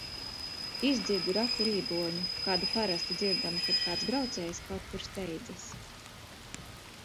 Izdzirdu ratu rīboņu, kāda parasti dzirdama, kad kāds braucējs kaut kur steidzas.